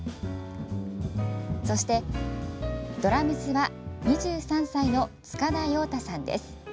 そして、ドラムスは２３歳の塚田陽太さんです。